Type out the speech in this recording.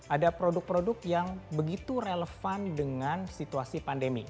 ada produk produk yang begitu relevan dengan situasi pandemi